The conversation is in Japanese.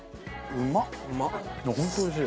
うまっ！